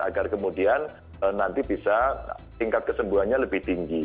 agar kemudian nanti bisa tingkat kesembuhannya lebih tinggi